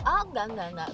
oh enggak enggak enggak